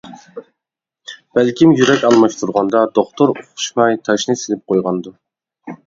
بەلكىم يۈرەك ئالماشتۇرغاندا دوختۇر ئۇقۇشماي تاشنى سېلىپ قويغاندۇ؟ !